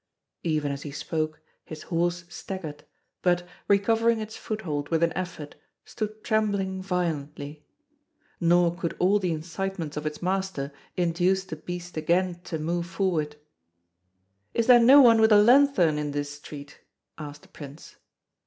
Even as he spoke his horse staggered, but, recovering its foothold with an effort, stood trembling violently. Nor could all the incitements of its master induce the beast again to move forward. "Is there no one with a lanthorn in this street?" asked the Prince.